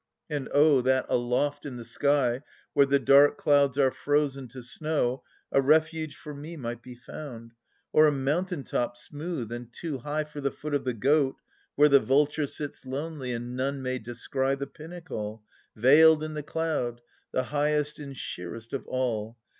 And oh that aloft in the sky, where the dark clouds are frozen to snow, A refuge for me might be found, or a mountain top smooth and too high For the foot of the goat, where the vulture sits lonely, and none may descry The pinnacle veiled in the cloud, the highest and sheerest of all.